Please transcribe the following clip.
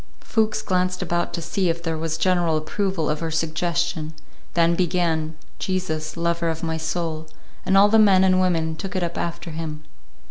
Fuchs glanced about to see if there was general approval of her suggestion, then began, "Jesus, Lover of my Soul," and all the men and women took it up after him.